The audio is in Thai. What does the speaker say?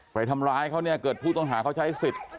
ไปทำร้ายเขาเนี่ยเกิดผู้ต้องหาเขาใช้สิทธิ์